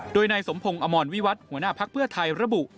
โดยในสมพงศ์อมรวมวิวัตหัวหน้าพักเพื่อไทยระบุ